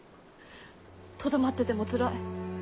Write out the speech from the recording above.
とどまっててもつらい。